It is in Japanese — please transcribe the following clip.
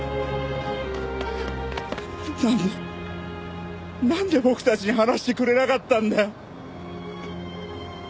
なんでなんで僕たちに話してくれなかったんだよ？